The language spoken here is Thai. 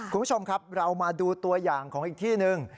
คุณผู้ชมครับเรามาดูตัวอย่างของอีกที่หนึ่ง